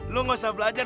lo gak usah belajar